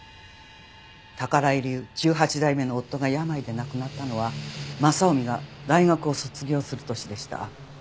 宝居流１８代目の夫が病で亡くなったのは雅臣が大学を卒業する年でした。